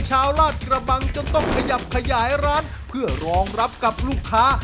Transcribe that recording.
ลาดกระบังจนต้องขยับขยายร้านเพื่อรองรับกับลูกค้า